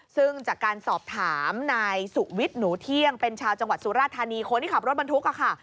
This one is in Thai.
ซึ่งจากการสอบถามนายสุวิทย์หนูเที่ยงเป็นชาวจังหวัดสุราธานีคนที่ขับรถบรรทุกค่ะ